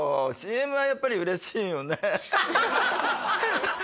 ＣＭはやっぱり嬉しいよね